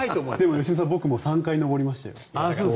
良純さんでももう３回登りましたよ。